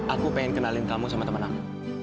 aku pengen kenalin kamu sama teman aku